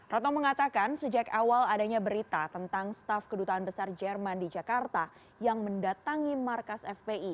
retno mengatakan sejak awal adanya berita tentang staf kedutaan besar jerman di jakarta yang mendatangi markas fpi